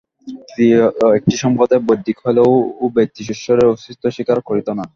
তৃতীয় একটি সম্প্রদায় বৈদিক হইলেও ব্যক্তি-ঈশ্বরের অস্তিত্ব স্বীকার করিত না।